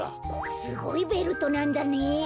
すごいベルトなんだねえ。